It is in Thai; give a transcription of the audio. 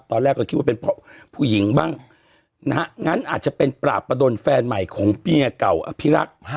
ตอนแรกก็คิดว่าเป็นเพราะผู้หญิงบ้างนะฮะงั้นอาจจะเป็นปราบประดนแฟนใหม่ของเมียเก่าอภิรักษ์